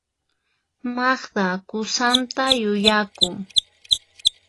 Magda qusanta yuyakun.